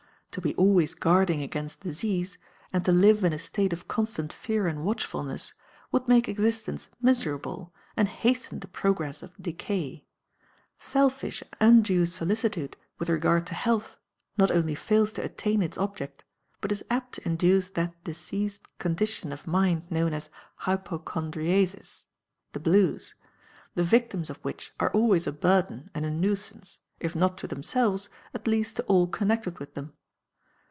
To be always guarding against disease, and to live in a state of constant fear and watchfulness, would make existence miserable and hasten the progress of decay. Selfish and undue solicitude with regard to health not only fails to attain its object, but is apt to induce that diseased condition of mind known as hypochondriasis, ["the blues,"] the victims of which are always a burden and a nuisance, if not to themselves, at least to all connected with them.